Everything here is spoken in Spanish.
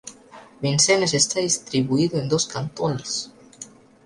Vincennes está distribuido en dos cantones.